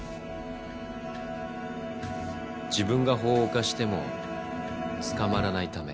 自分が法を犯しても捕まらないため。